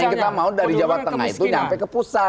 yang kita mau dari jawa tengah itu nyampe ke pusat